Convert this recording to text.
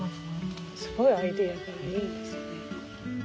すごいアイデアがいいですね。